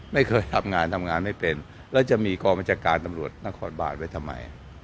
ไม่เคยทำงานทำงานไม่เป็นแล้วจะมีกองบัญชาการตำรวจนครบานไว้ทำไม